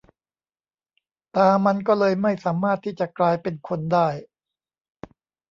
ตามันก็เลยไม่สามารถที่จะกลายเป็นคนได้